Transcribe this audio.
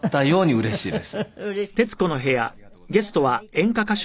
うれしいです。